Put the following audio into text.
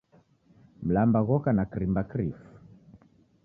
Mlamba ghoka na kirimba kirifu